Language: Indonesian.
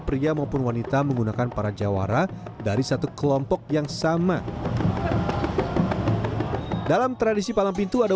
pria maupun wanita menggunakan para jawara dari satu kelompok yang sama dalam tradisi palang pintu ada